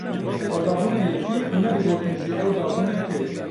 Ew dabûne yekî û nedigotin jî ew dabûne kê.